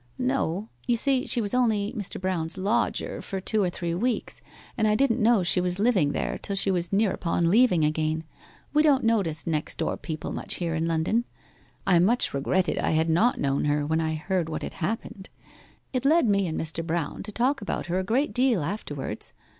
'No. You see she was only Mr. Brown's lodger for two or three weeks, and I didn't know she was living there till she was near upon leaving again we don't notice next door people much here in London. I much regretted I had not known her when I heard what had happened. It led me and Mr. Brown to talk about her a great deal afterwards.